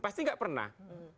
pasti gak pernah